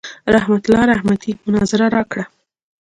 رحمت الله رحمتي مناظره راکړه.